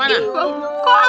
itu tuh malin